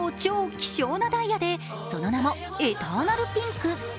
希少なダイヤでその名もエターナルピンク。